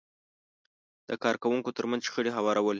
د کار کوونکو ترمنځ شخړې هوارول،